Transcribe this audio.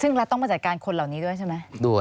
ซึ่งรัฐต้องมาจัดการคนเหล่านี้ด้วยใช่ไหม